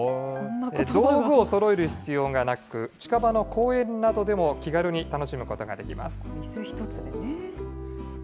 道具をそろえる必要がなく、近場の公園などでも気軽に楽しむこといす１つでね。